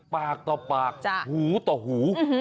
ปากต่อปากหูต่อหู